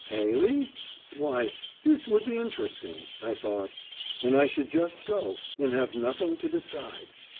Heilly? Why, this would be interesting, I thought. And I should just go, and have nothing to decide.